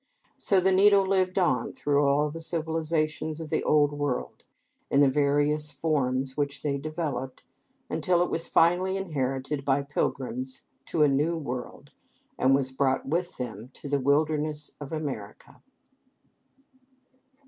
So the needle lived on through all the civilizations of the old world, in the various forms which they developed, until it was finally inherited by pilgrims to a new world, and was brought with them to the wilderness of America.